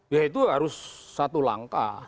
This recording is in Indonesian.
ya itu harus satu langkah